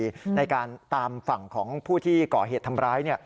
ในการตามฝั่งของผู้ที่ก่อเหตุทำร้าย